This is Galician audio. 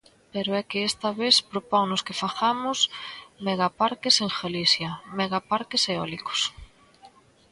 Pero é que esta vez proponnos que fagamos megaparques en Galicia, megaparques eólicos.